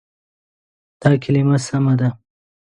دا کلمه سمه ده.